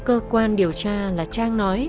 cơ quan điều tra là trang nói